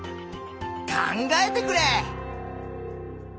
考えてくれ！